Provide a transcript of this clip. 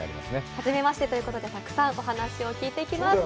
初めましてということで、たくさんお話を聞いていきます。